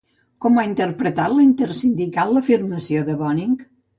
Com ha interpretat la Intersindical l'afirmació de Bonig?